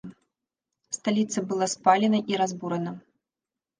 Сталіца была спалена і разбурана.